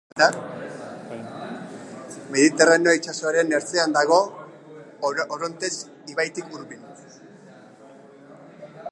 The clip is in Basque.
Mediterraneo itsasoaren ertzean dago, Orontes ibaitik hurbil.